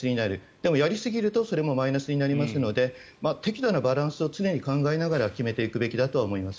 でも、やりすぎるとそれもマイナスになりますので適度なバランスを常に考えながら決めていくべきだと思います。